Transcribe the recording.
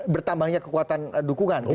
bertambahnya kekuatan dukungan gitu